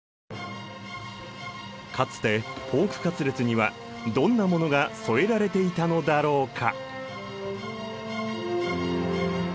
かつてポークカツレツにはどんなものが添えられていたのだろうか。